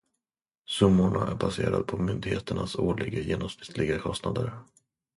Summorna är baserade på myndigheternas årliga genomsnittliga kostnader.